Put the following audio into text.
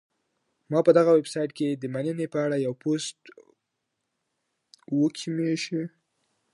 ما په دغه ویبسایټ کي د مننې په اړه یو پوسټ وکهمېشهی.